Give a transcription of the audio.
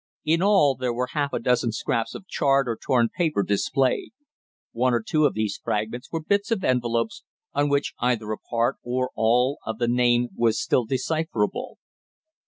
In all there were half a dozen scraps of charred or torn paper displayed; one or two of these fragments were bits of envelopes on which either a part or all of the name was still decipherable.